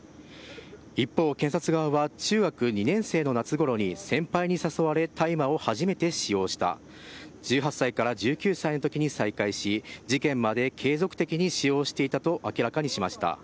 一方、検察側は、中学２年生の夏ごろに先輩に誘われ、大麻を初めて使用した、１８歳から１９歳のときに再開し、事件まで継続的に使用していたと明らかにしました。